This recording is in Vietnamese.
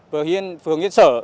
phường yên sở